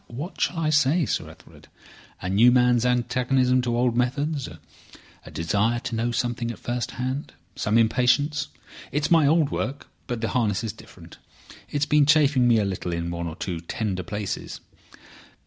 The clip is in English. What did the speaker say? "What shall I say, Sir Ethelred? A new man's antagonism to old methods. A desire to know something at first hand. Some impatience. It's my old work, but the harness is different. It has been chafing me a little in one or two tender places."